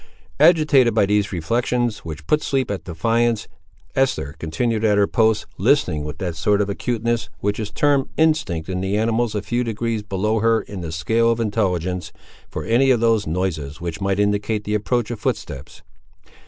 Agitated by these reflections, which put sleep at defiance, Esther continued at her post, listening with that sort of acuteness which is termed instinct in the animals a few degrees below her in the scale of intelligence, for any of those noises which might indicate the approach of footsteps.